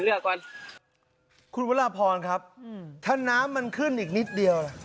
เลือกก่อนคุณวันละพรครับอืมถ้าน้ำมันขึ้นอีกนิดเดียว